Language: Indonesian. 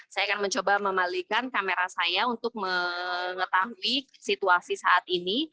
saya akan mencoba memalikan kamera saya untuk mengetahui situasi saat ini